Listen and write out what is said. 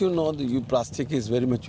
jika anda tahu bahwa plastik sangat berguna